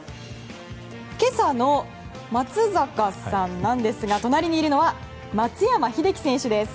今朝の松坂さんなんですが隣にいるのは松山英樹選手です。